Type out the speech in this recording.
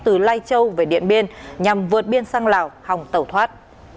từ lai châu về điện biên nhằm vượt biên sang lào hòng tẩu thoát